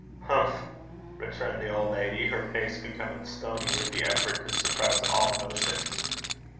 'Humph!' returned the old lady, her face becoming stony with the effort to suppress all emotion.